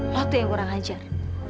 lo tuh yang kurang ajar